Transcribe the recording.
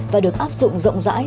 và được áp dụng rộng rãi